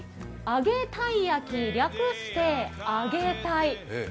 揚げたい焼き、略してあげたい。